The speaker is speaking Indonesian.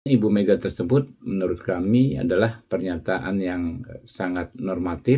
ibu mega tersebut menurut kami adalah pernyataan yang sangat normatif